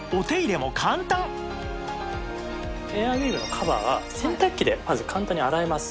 またエアウィーヴのカバーは洗濯機でまず簡単に洗えます。